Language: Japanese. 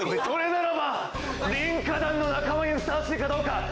それならばリンカ団の仲間にふさわしいかどうか。